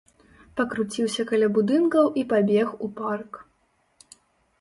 Пакруціўся каля будынкаў і пабег у парк.